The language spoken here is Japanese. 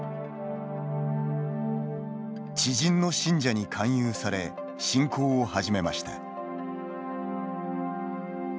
知人の信者に勧誘され信仰を始めました。